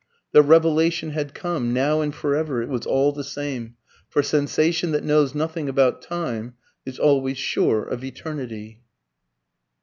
The revelation had come. Now and for ever it was all the same; for sensation that knows nothing about time is always sure of eternity.